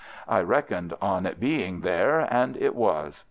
I reckoned on it being there, and it was.